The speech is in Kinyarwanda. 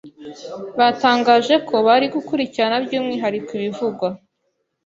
batangaje ko bari gukurikirana by'umwihariko ibivugwa